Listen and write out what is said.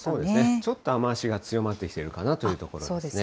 ちょっと雨足が強まってきているかなというところですね。